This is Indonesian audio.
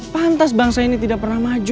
pantas bangsa ini tidak pernah maju